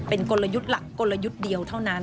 เป็นกลยุทธ์หลักกลยุทธ์เดียวเท่านั้น